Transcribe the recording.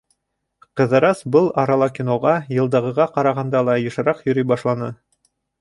Ҡыҙырас был арала киноға йылдағыға ҡарағанда ла йышыраҡ йөрөй башланы.